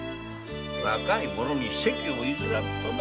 若い者に席を譲らんとな。